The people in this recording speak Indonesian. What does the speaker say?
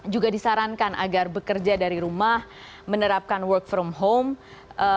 juga disarankan agar bekerja dari rumah menerapkan work from home